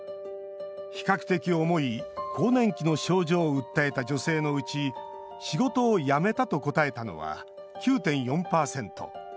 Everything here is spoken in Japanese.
比較的重い更年期の症状を訴えた女性のうち「仕事を辞めた」と答えたのは９．４％。